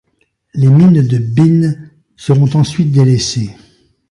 Les mines de Binn seront ensuite délaissées.